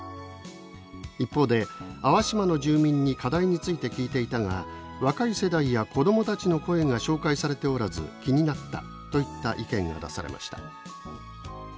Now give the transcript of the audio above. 一方で「粟島の住民に課題について聞いていたが若い世代や子供たちの声が紹介されておらず気になった」といった意見が出されました。